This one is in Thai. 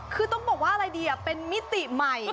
คือต้องบอกว่าอะไรดีเป็นมิติใหม่